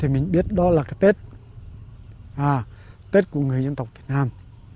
mình biết đó là cái tết tết của người dân tộc việt nam